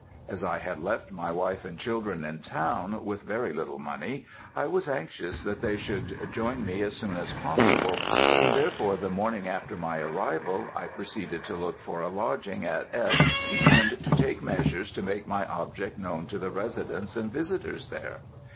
As I had left my wife and children in town, with very little money, I was anxious that they should join me as soon as possible; and therefore the morning after my arrival, I proceeded to look for a lodging at S., and to take measures to make my object known to the residents and visitors there.